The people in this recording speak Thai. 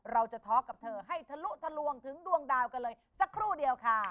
เราจะท้อกับเธอให้ทะลุทะลวงถึงดวงดาวกันเลยสักครู่เดียวค่ะ